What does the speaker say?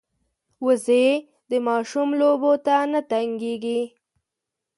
وزې د ماشوم لوبو ته نه تنګېږي